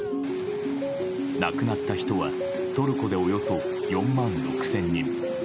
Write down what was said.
亡くなった人はトルコでおよそ４万６０００人。